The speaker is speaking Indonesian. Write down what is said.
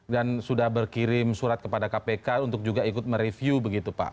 dan sudah berkirim surat kepada kpk untuk juga ikut mereview begitu pak